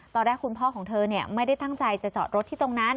ตอนแรกคุณพ่อของเธอไม่ได้ตั้งใจจะจอดรถที่ตรงนั้น